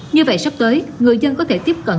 như vậy sắp tới người dân có thể tiếp cận